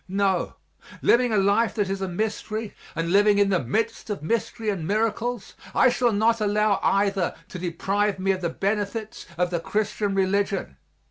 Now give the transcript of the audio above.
No, living a life that is a mystery, and living in the midst of mystery and miracles, I shall not allow either to deprive me of the benefits of the Christian religion.